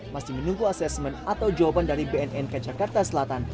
masih menunggu asesmen atau jawaban dari bnnk jakarta selatan